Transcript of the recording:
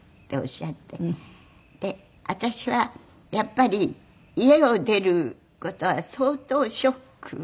で私はやっぱり家を出る事は相当ショック。